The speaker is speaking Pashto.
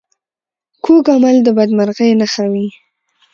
کوږ عمل د بدمرغۍ نښه وي